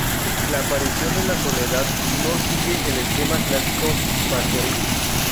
La aparición de la Soledad no sigue el esquema clásico pastoril.